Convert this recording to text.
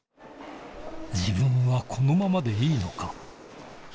・自分はこのままでいいのか？